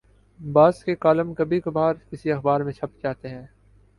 بعض کے کالم کبھی کبھارکسی اخبار میں چھپ جاتے ہیں۔